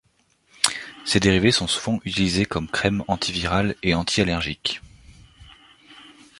Ces dérivés sont souvent utilisés comme crèmes antivirales et antiallergiques.